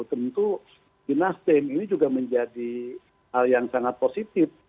tentu di nasdem ini juga menjadi hal yang sangat positif